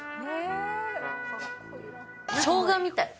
しょうがみたい。